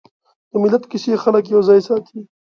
د ملت کیسې خلک یوځای ساتي.